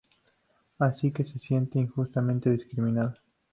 Así que se sienten injustamente discriminados.